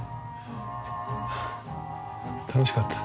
楽しかった。